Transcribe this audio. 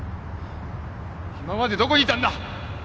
今までどこにいたんだ！？